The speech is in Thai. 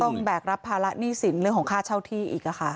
แบกรับภาระหนี้สินเรื่องของค่าเช่าที่อีกค่ะ